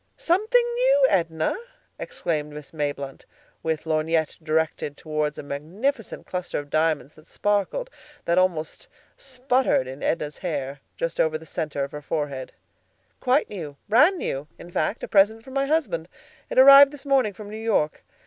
"Something new, Edna?" exclaimed Miss Mayblunt, with lorgnette directed toward a magnificent cluster of diamonds that sparkled, that almost sputtered, in Edna's hair, just over the center of her forehead. "Quite new; 'brand' new, in fact; a present from my husband. It arrived this morning from New York.